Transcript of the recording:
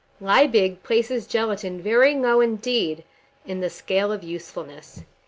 Liebig places gelatine very low indeed in the scale of usefulness.